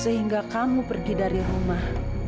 sehingga kamu pergi dari rumah